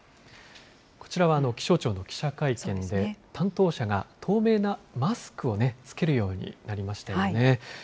こちらは気象庁の記者会見で、担当者が透明なマスクを着けるようになりましたよね。